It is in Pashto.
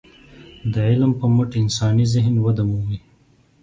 د علم په مټ انساني ذهن وده مومي.